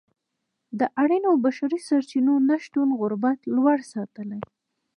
د اړینو بشري سرچینو نشتون غربت لوړ ساتلی.